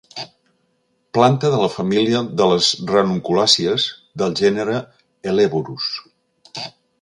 Planta de la família de les ranunculàcies, del gènere Helleborus.